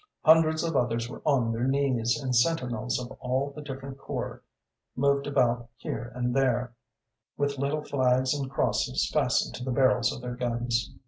Hundreds of others were on their knees, and sentinels of all the different corps moved about here and there, with little flags and crosses fastened to the barrels of their guns.